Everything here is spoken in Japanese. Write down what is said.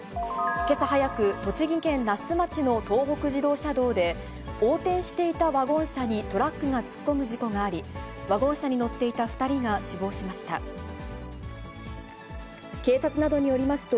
けさ早く、栃木県那須町の東北自動車道で、横転していたワゴン車にトラックが突っ込む事故があり、ワゴン車に乗っていた２人が死亡しました。